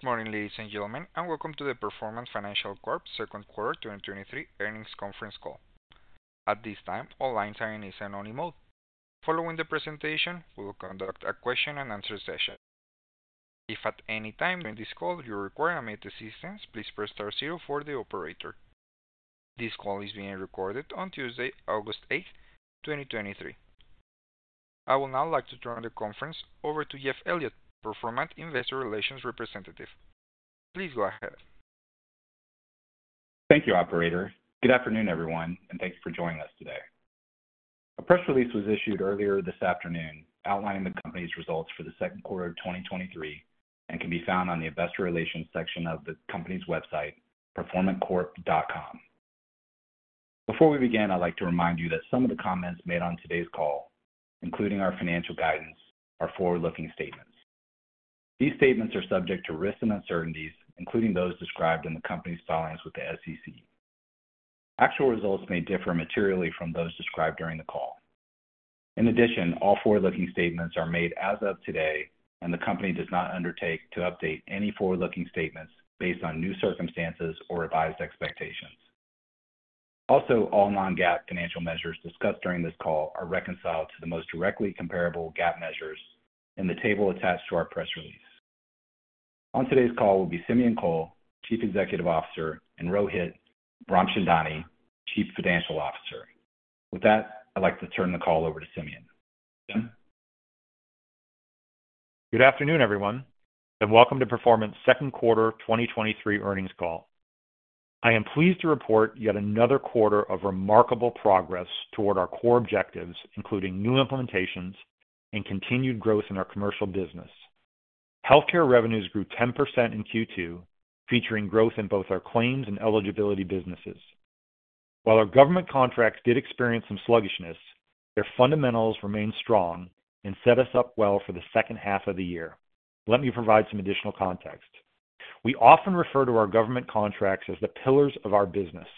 Good morning, ladies and gentlemen, and welcome to the Performant Financial Corp 2nd Quarter 2023 Earnings Conference Call. At this time, all lines are in listen-only mode. Following the presentation, we will conduct a question-and-answer session. If at any time during this call you require immediate assistance, please press star zero for the operator. This call is being recorded on Tuesday, August 8, 2023. I will now like to turn the conference over to Jeff Elliott, Performant Investor Relations representative. Please go ahead. Thank you, operator. Good afternoon, everyone, and thanks for joining us today. A press release was issued earlier this afternoon outlining the company's results for the second quarter of 2023 and can be found on the Investor Relations section of the company's website, performantcorp.com. Before we begin, I'd like to remind you that some of the comments made on today's call, including our financial guidance, are forward-looking statements. These statements are subject to risks and uncertainties, including those described in the company's filings with the SEC. Actual results may differ materially from those described during the call. In addition, all forward-looking statements are made as of today, and the company does not undertake to update any forward-looking statements based on new circumstances or revised expectations. All non-GAAP financial measures discussed during this call are reconciled to the most directly comparable GAAP measures in the table attached to our press release. On today's call will be Simeon Kohl, Chief Executive Officer, and Rohit Ramchandani, Chief Financial Officer. With that, I'd like to turn the call over to Simeon. Simeon? Good afternoon, everyone, welcome to Performant's second quarter 2023 earnings call. I am pleased to report yet another quarter of remarkable progress toward our core objectives, including new implementations and continued growth in our commercial business. Healthcare revenues grew 10% in Q2, featuring growth in both our claims and eligibility businesses. While our government contracts did experience some sluggishness, their fundamentals remained strong and set us up well for the second half of the year. Let me provide some additional context. We often refer to our government contracts as the pillars of our business.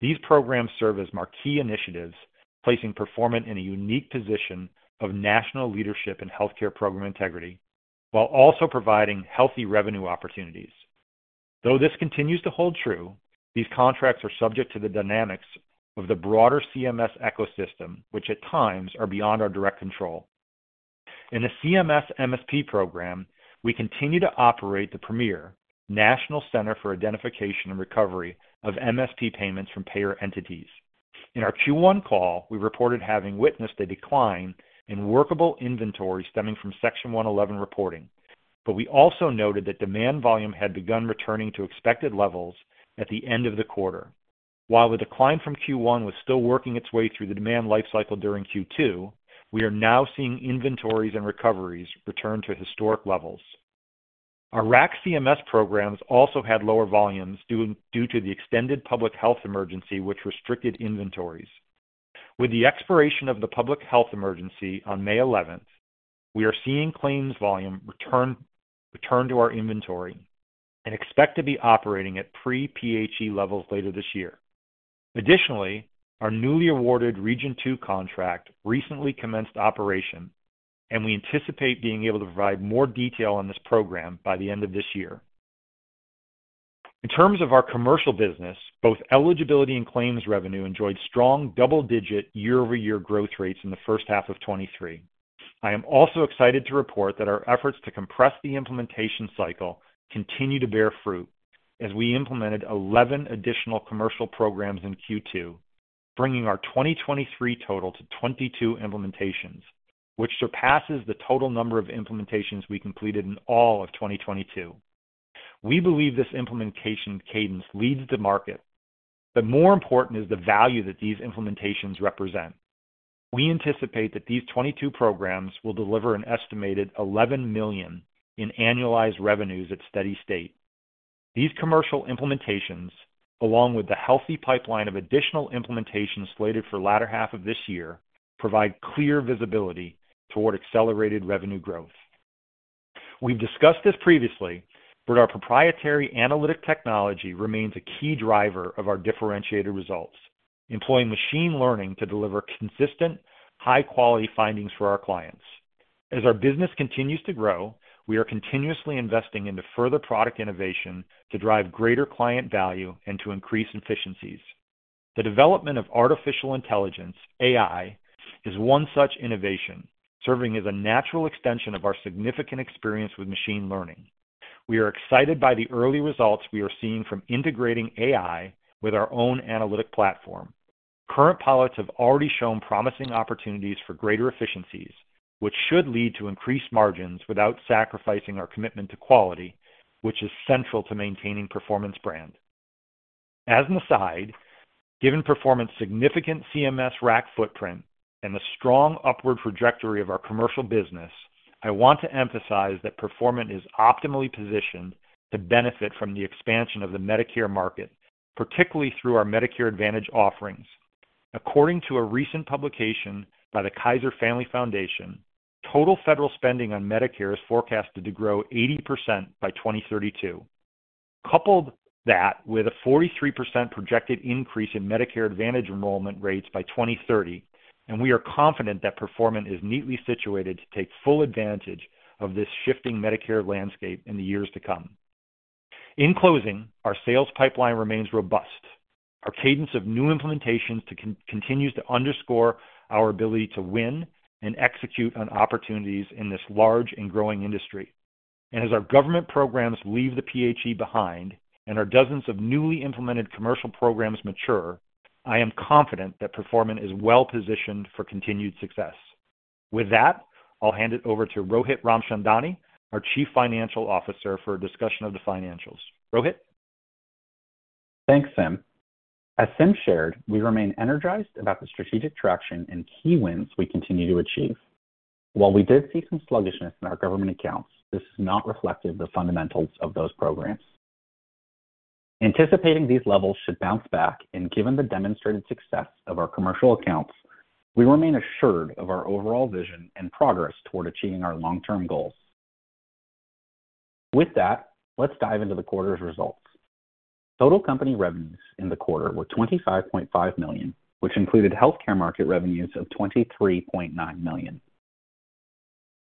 These programs serve as marquee initiatives, placing Performant in a unique position of national leadership in healthcare program integrity, while also providing healthy revenue opportunities. This continues to hold true, these contracts are subject to the dynamics of the broader CMS ecosystem, which at times are beyond our direct control. In the CMS MSP program, we continue to operate the premier National Center for Identification and Recovery of MSP payments from payer entities. In our Q1 call, we reported having witnessed a decline in workable inventory stemming from Section 111 reporting. We also noted that demand volume had begun returning to expected levels at the end of the quarter. While the decline from Q1 was still working its way through the demand life cycle during Q2, we are now seeing inventories and recoveries return to historic levels. Our RAC CMS programs also had lower volumes due to the extended public health emergency, which restricted inventories. With the expiration of the public health emergency on May 11th, we are seeing claims volume return to our inventory and expect to be operating at pre-PHE levels later this year. Additionally, our newly awarded Region 2 contract recently commenced operation, and we anticipate being able to provide more detail on this program by the end of this year. In terms of our commercial business, both eligibility and claims revenue enjoyed strong double-digit year-over-year growth rates in the first half of 2023. I am also excited to report that our efforts to compress the implementation cycle continue to bear fruit, as we implemented 11 additional commercial programs in Q2, bringing our 2023 total to 22 implementations, which surpasses the total number of implementations we completed in all of 2022. We believe this implementation cadence leads the market, more important is the value that these implementations represent. We anticipate that these 22 programs will deliver an estimated $11 million in annualized revenues at steady state. These commercial implementations, along with the healthy pipeline of additional implementations slated for latter half of this year, provide clear visibility toward accelerated revenue growth. We've discussed this previously, but our proprietary analytic technology remains a key driver of our differentiated results, employing machine learning to deliver consistent, high-quality findings for our clients. As our business continues to grow, we are continuously investing into further product innovation to drive greater client value and to increase efficiencies. The development of artificial intelligence, AI, is one such innovation, serving as a natural extension of our significant experience with machine learning. We are excited by the early results we are seeing from integrating AI with our own analytic platform. Current pilots have already shown promising opportunities for greater efficiencies, which should lead to increased margins without sacrificing our commitment to quality, which is central to maintaining Performant's brand. As an aside, given Performant's significant CMS RAC footprint and the strong upward trajectory of our commercial business, I want to emphasize that Performant is optimally positioned to benefit from the expansion of the Medicare market, particularly through our Medicare Advantage offerings. According to a recent publication by the Kaiser Family Foundation, total federal spending on Medicare is forecasted to grow 80% by 2032. Couple that with a 43% projected increase in Medicare Advantage enrollment rates by 2030, we are confident that Performant is neatly situated to take full advantage of this shifting Medicare landscape in the years to come. In closing, our sales pipeline remains robust. Our cadence of new implementations continues to underscore our ability to win and execute on opportunities in this large and growing industry. As our government programs leave the PHE behind and our dozens of newly implemented commercial programs mature, I am confident that Performant is well positioned for continued success. With that, I'll hand it over to Rohit Ramchandani, our Chief Financial Officer, for a discussion of the financials. Rohit? Thanks, Sim. As Sim shared, we remain energized about the strategic traction and key wins we continue to achieve. While we did see some sluggishness in our government accounts, this does not reflective the fundamentals of those programs. Given the demonstrated success of our commercial accounts, we remain assured of our overall vision and progress toward achieving our long-term goals. With that, let's dive into the quarter's results. Total company revenues in the quarter were $25.5 million, which included healthcare market revenues of $23.9 million.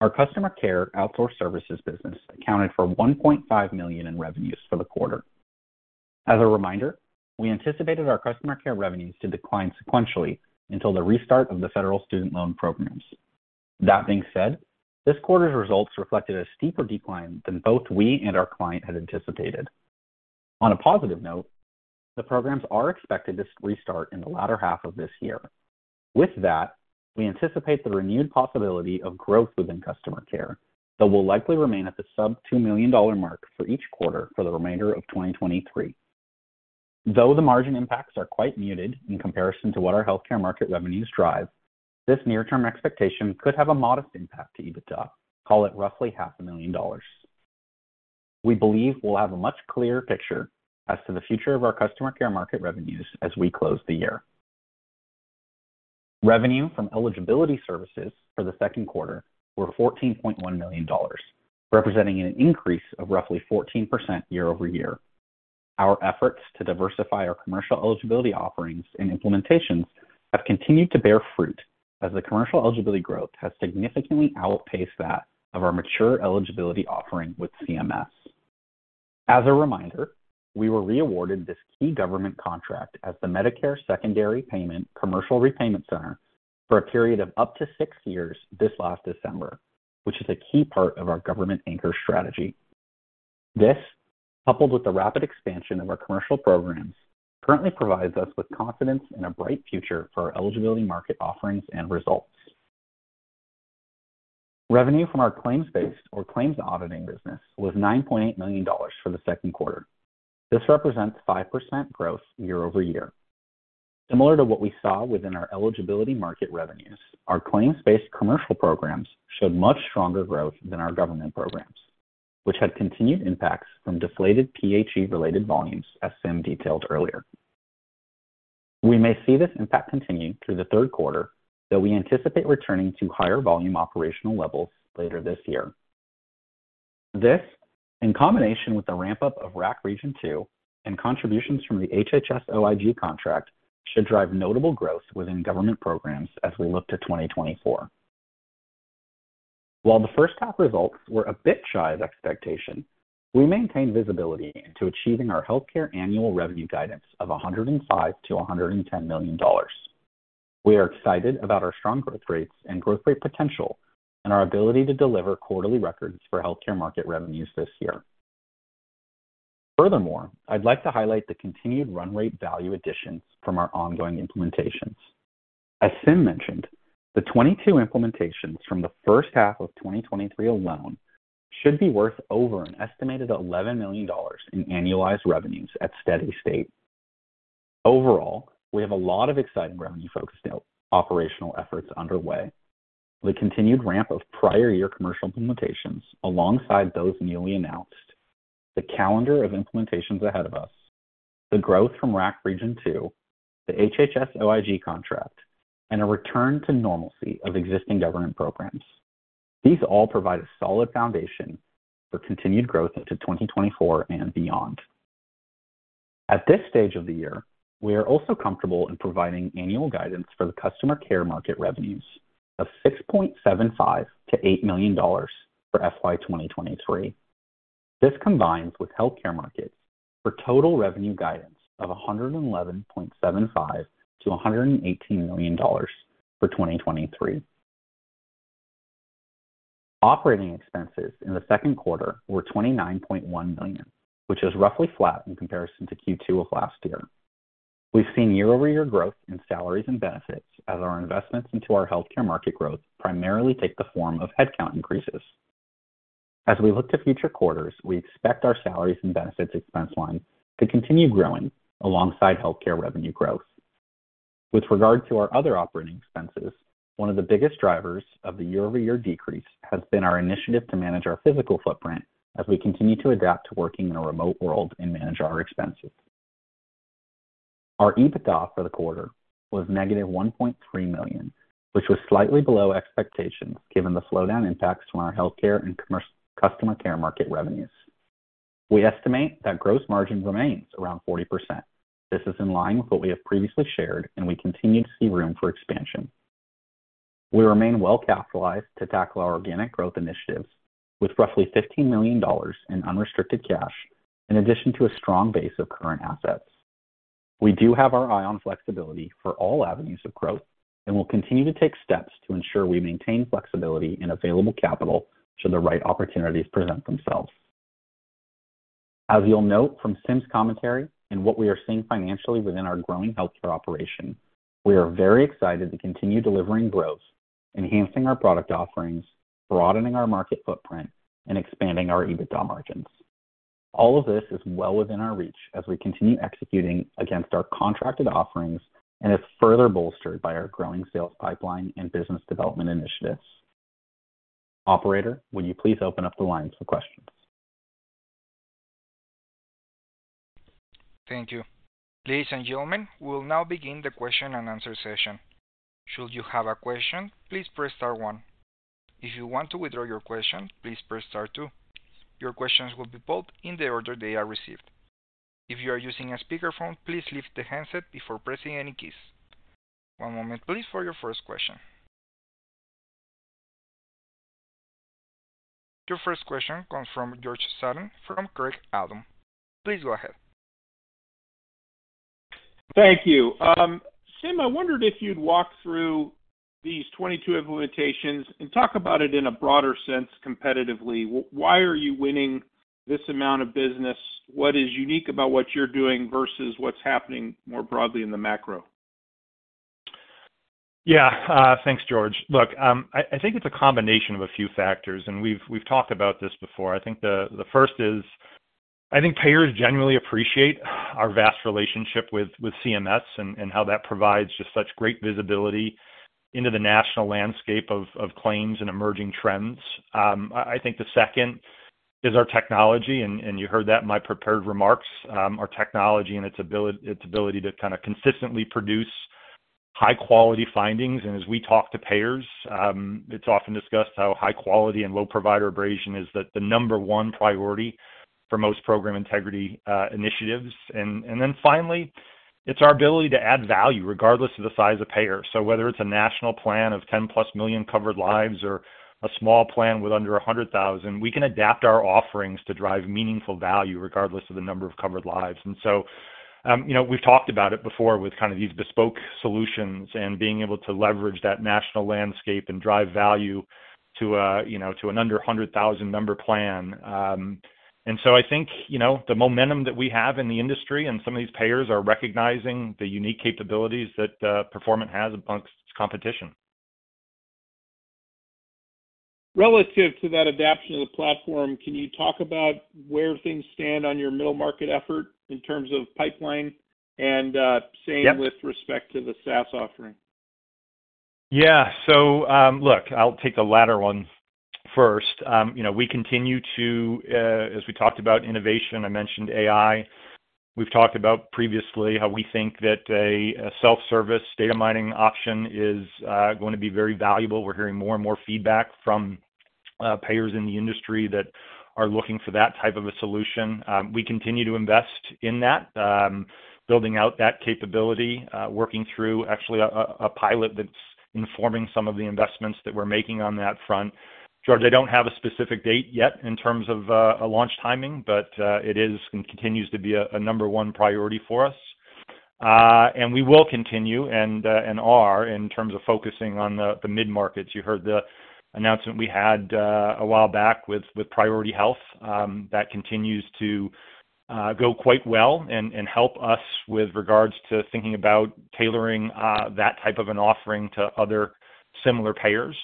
Our Customer Care outsource services business accounted for $1.5 million in revenues for the quarter. As a reminder, we anticipated our Customer Care revenues to decline sequentially until the restart of the federal student loan programs. That being said, this quarter's results reflected a steeper decline than both we and our client had anticipated. On a positive note, the programs are expected to restart in the latter half of this year. With that, we anticipate the renewed possibility of growth within customer care, but will likely remain at the sub $2 million mark for each quarter for the remainder of 2023. Though the margin impacts are quite muted in comparison to what our healthcare market revenues drive, this near-term expectation could have a modest impact to EBITDA. Call it roughly $500,000. We believe we'll have a much clearer picture as to the future of our customer care market revenues as we close the year. Revenue from eligibility services for the second quarter were $14.1 million, representing an increase of roughly 14% year-over-year. Our efforts to diversify our commercial eligibility offerings and implementations have continued to bear fruit as the commercial eligibility growth has significantly outpaced that of our mature eligibility offering with CMS. As a reminder, we were re-awarded this key government contract as the Medicare Secondary Payer Commercial Repayment Center for a period of up to six years this last December, which is a key part of our government anchor strategy. This, coupled with the rapid expansion of our commercial programs, currently provides us with confidence in a bright future for our eligibility market offerings and results. Revenue from our claims-based or claims auditing business was $9.8 million for the second quarter. This represents 5% growth year-over-year. Similar to what we saw within our eligibility market revenues, our claims-based commercial programs showed much stronger growth than our government programs, which had continued impacts from deflated PHE-related volumes, as Sim detailed earlier. We may see this impact continue through the third quarter, though we anticipate returning to higher volume operational levels later this year. This, in combination with the ramp-up of RAC Region Two and contributions from the HHS-OIG contract, should drive notable growth within government programs as we look to 2024. While the first half results were a bit shy of expectation, we maintain visibility into achieving our healthcare annual revenue guidance of $105 million-$110 million. We are excited about our strong growth rates and growth rate potential, and our ability to deliver quarterly records for healthcare market revenues this year. Furthermore, I'd like to highlight the continued run rate value additions from our ongoing implementations. As Sim mentioned, the 22 implementations from the first half of 2023 alone should be worth over an estimated $11 million in annualized revenues at steady state. Overall, we have a lot of exciting revenue-focused operational efforts underway. The continued ramp of prior year commercial implementations, alongside those newly announced, the calendar of implementations ahead of us, the growth from RAC Region 2, the HHS-OIG contract, and a return to normalcy of existing government programs. These all provide a solid foundation for continued growth into 2024 and beyond. At this stage of the year, we are also comfortable in providing annual guidance for the customer care market revenues of $6.75-8 million for FY 2023. This combines with healthcare markets for total revenue guidance of $111.75-118 million for 2023. Operating expenses in the second quarter were $29.1 million, which is roughly flat in comparison to Q2 of last year. We've seen year-over-year growth in salaries and benefits as our investments into our healthcare market growth primarily take the form of headcount increases. As we look to future quarters, we expect our salaries and benefits expense line to continue growing alongside healthcare revenue growth. With regard to our other operating expenses, one of the biggest drivers of the year-over-year decrease has been our initiative to manage our physical footprint as we continue to adapt to working in a remote world and manage our expenses. Our EBITDA for the quarter was negative $1.3 million, which was slightly below expectations, given the slowdown impacts from our healthcare and customer care market revenues. We estimate that gross margin remains around 40%. This is in line with what we have previously shared, and we continue to see room for expansion. We remain well capitalized to tackle our organic growth initiatives, with roughly $15 million in unrestricted cash, in addition to a strong base of current assets. We do have our eye on flexibility for all avenues of growth, and we'll continue to take steps to ensure we maintain flexibility and available capital should the right opportunities present themselves. As you'll note from Sim's commentary and what we are seeing financially within our growing healthcare operation, we are very excited to continue delivering growth, enhancing our product offerings, broadening our market footprint, and expanding our EBITDA margins. All of this is well within our reach as we continue executing against our contracted offerings and is further bolstered by our growing sales pipeline and business development initiatives. Operator, would you please open up the lines for questions? Thank you. Ladies and gentlemen, we will now begin the question and answer session. Should you have a question, please press star one. If you want to withdraw your question, please press star two. Your questions will be pulled in the order they are received. If you are using a speakerphone, please lift the handset before pressing any keys. One moment, please, for your first question. Your first question comes from George Sutton, from Craig-Hallum. Please go ahead. Thank you. Sim, I wondered if you'd walk through these 22 implementations and talk about it in a broader sense, competitively. Why are you winning this amount of business? What is unique about what you're doing versus what's happening more broadly in the macro? Yeah, thanks, George. Look, I think it's a combination of a few factors, and we've talked about this before. I think the first is, I think payers genuinely appreciate our vast relationship with CMS and how that provides just such great visibility into the national landscape of claims and emerging trends. I think the second is our technology, and you heard that in my prepared remarks. Our technology and its ability to kind of consistently produce high-quality findings. As we talk to payers, it's often discussed how high quality and low provider abrasion is the number 1 priority for most program integrity initiatives. Then finally, it's our ability to add value, regardless of the size of payer. Whether it's a national plan of 10+ million covered lives or a small plan with under 100,000, we can adapt our offerings to drive meaningful value regardless of the number of covered lives. You know, we've talked about it before with kind of these bespoke solutions and being able to leverage that national landscape and drive value to a, you know, to an under 100,000 member plan. I think, you know, the momentum that we have in the industry and some of these payers are recognizing the unique capabilities that Performant has amongst its competition. Relative to that adaptation of the platform, can you talk about where things stand on your middle market effort in terms of pipeline and? Yep same with respect to the SaaS offering? Yeah. Look, I'll take the latter one first. You know, we continue to, as we talked about innovation, I mentioned AI. We've talked about previously how we think that a self-service data mining option is going to be very valuable. We're hearing more and more feedback from payers in the industry that are looking for that type of a solution. We continue to invest in that, building out that capability, working through actually a pilot that's informing some of the investments that we're making on that front. George, I don't have a specific date yet in terms of a launch timing, but it is and continues to be a number 1 priority for us. We will continue, and are, in terms of focusing on the mid-markets. You heard the announcement we had, a while back with, with Priority Health. That continues to go quite well and help us with regards to thinking about tailoring that type of an offering to other similar payers.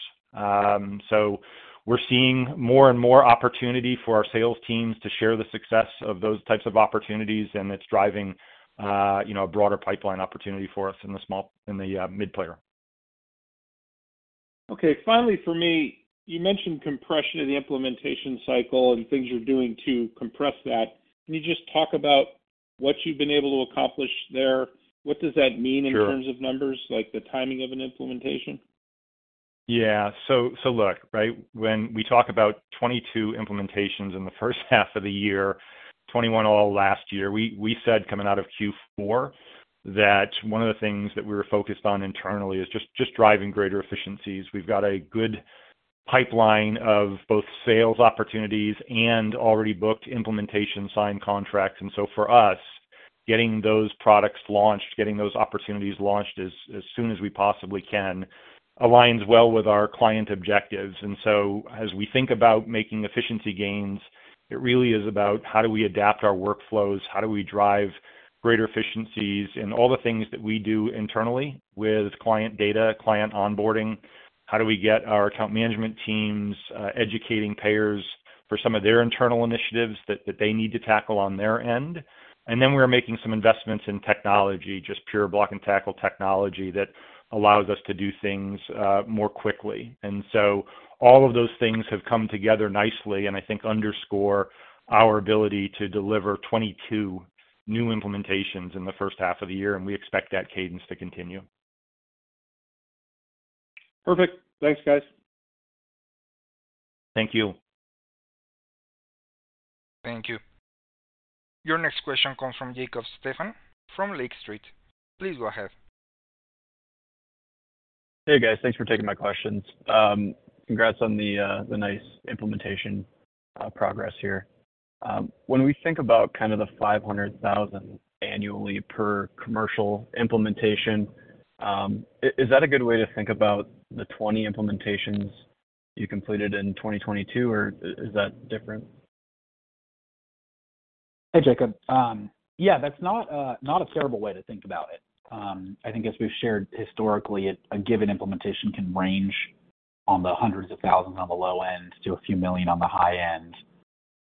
We're seeing more and more opportunity for our sales teams to share the success of those types of opportunities, and it's driving, you know, a broader pipeline opportunity for us in the mid payer. Okay, finally, for me, you mentioned compression of the implementation cycle and things you're doing to compress that. Can you just talk about what you've been able to accomplish there? What does that mean? Sure... in terms of numbers, like the timing of an implementation? Yeah. Look, right, when we talk about 22 implementations in the first half of the year, 21 all last year, we, we said coming out of Q4, that one of the things that we were focused on internally is just driving greater efficiencies. We've got a good pipeline of both sales opportunities and already booked implementation signed contracts. For us, getting those products launched, getting those opportunities launched as soon as we possibly can, aligns well with our client objectives. As we think about making efficiency gains, it really is about how do we adapt our workflows? How do we drive greater efficiencies in all the things that we do internally with client data, client onboarding? How do we get our account management teams educating payers for some of their internal initiatives that they need to tackle on their end? We're making some investments in technology, just pure block-and-tackle technology, that allows us to do things more quickly. All of those things have come together nicely and I think underscore our ability to deliver 22 new implementations in the first half of the year, and we expect that cadence to continue. Perfect. Thanks, guys. Thank you. Thank you. Your next question comes from Jacob Stephan from Lake Street. Please go ahead. Hey, guys. Thanks for taking my questions. Congrats on the nice implementation progress here. When we think about kind of the $500,000 annually per commercial implementation, is that a good way to think about the 20 implementations you completed in 2022, or is that different? Hey, Jacob. Yeah, that's not a terrible way to think about it. I think as we've shared historically, a given implementation can range on the hundreds of thousands on the low end to a few million on the high end.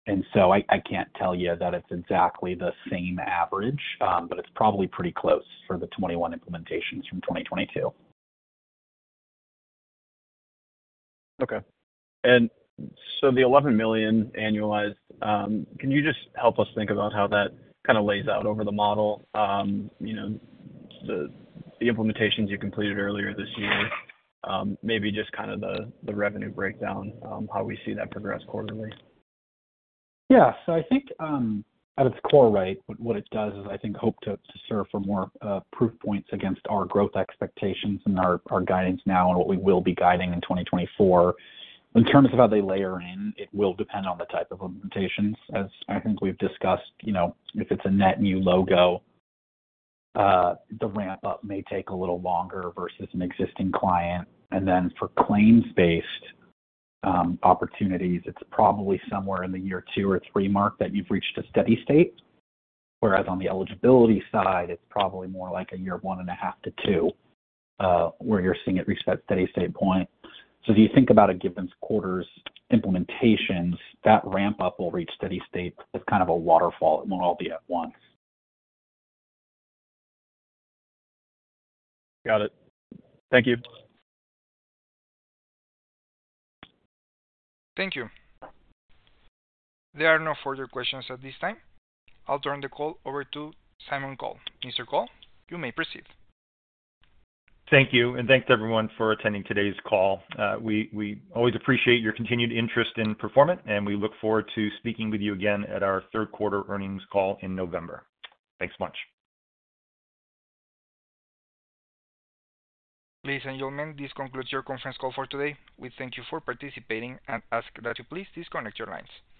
I can't tell you that it's exactly the same average, but it's probably pretty close for the 21 implementations from 2022. Okay. The $11 million annualized, can you just help us think about how that kind of lays out over the model? You know, the, the implementations you completed earlier this year, maybe just kind of the, the revenue breakdown, how we see that progress quarterly? I think, at its core, right, what it does is I think, hope to, to serve for more proof points against our growth expectations and our, our guidance now and what we will be guiding in 2024. In terms of how they layer in, it will depend on the type of implementations. As I think we've discussed, you know, if it's a net new logo, the ramp-up may take a little longer versus an existing client. For claims-based opportunities, it's probably somewhere in the year two or three mark that you've reached a steady state, whereas on the eligibility side, it's probably more like a year 1.5 to 2 where you're seeing it reach that steady state point. If you think about a given quarter's implementations, that ramp-up will reach steady state as kind of a waterfall. It won't all be at once. Got it. Thank you. Thank you. There are no further questions at this time. I'll turn the call over to Simeon Kohl. Mr. Kohl, you may proceed. Thank you. Thanks, everyone, for attending today's call. We always appreciate your continued interest in Performant, and we look forward to speaking with you again at our third quarter earnings call in November. Thanks so much. Ladies and gentlemen, this concludes your conference call for today. We thank you for participating and ask that you please disconnect your lines. Thank you.